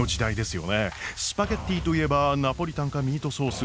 スパゲッティといえばナポリタンかミートソース。